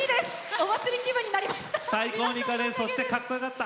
お祭り気分になりました。